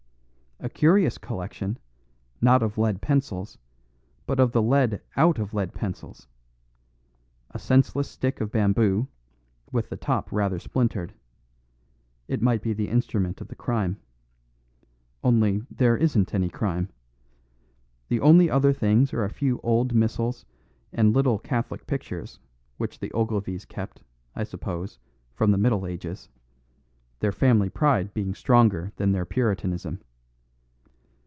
A curious collection, not of lead pencils, but of the lead out of lead pencils. A senseless stick of bamboo, with the top rather splintered. It might be the instrument of the crime. Only, there isn't any crime. The only other things are a few old missals and little Catholic pictures, which the Ogilvies kept, I suppose, from the Middle Ages their family pride being stronger than their Puritanism.